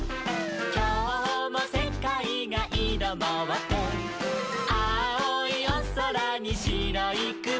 「きょうもせかいがイロもって」「あおいおそらにしろいくも」